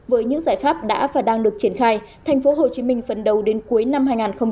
với những giải pháp đã và đang được triển khai tp hcm phấn đấu đến cuối năm hai nghìn hai mươi